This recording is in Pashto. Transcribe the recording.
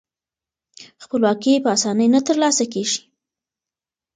خپلواکي په اسانۍ نه ترلاسه کیږي.